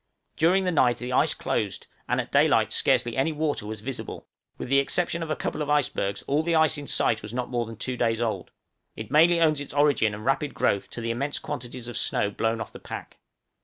During the night the ice closed, and at daylight scarcely any water was visible; with the exception of a couple of icebergs, all the ice in sight was not more than two days old; it mainly owes its origin and rapid growth to the immense quantities of snow blown off the pack.